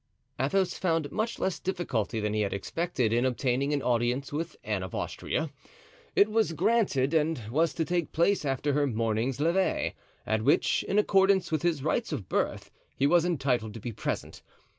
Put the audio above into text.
Athos found much less difficulty than he had expected in obtaining an audience of Anne of Austria. It was granted, and was to take place after her morning's "levee," at which, in accordance with his rights of birth, he was entitled to be present.